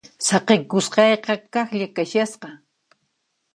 Saqikusqayqa kaqlla kashasqa.